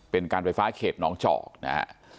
เป็นการไฟฟ้าเขตน้องเจาะ